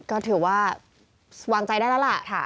ก็ถือว่าวางใจได้แล้วล่ะ